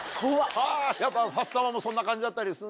やっぱファッサマもそんな感じだったりするの？